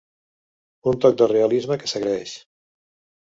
Un toc de realisme que s’agraeix.